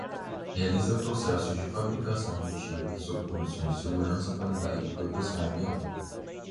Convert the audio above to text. Realiza processos de fabricação aditiva sob condições de segurança, qualidade e proteção ambiental.